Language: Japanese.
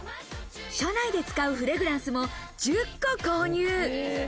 車内で使うフレグランスも１０個購入。